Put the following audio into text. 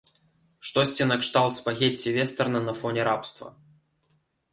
Штосьці накшталт спагецці-вестэрна на фоне рабства.